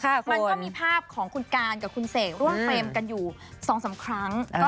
มันก็มีภาพของคุณการกับคุณเสกร่วมเฟรมกันอยู่๒๓ครั้ง